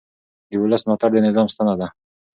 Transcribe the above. د ولس ملاتړ د نظام ستنه ده